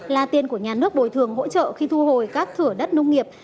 là tiền của nhà nước bồi thường hỗ trợ khi thu hồi các thửa đất nông nghiệp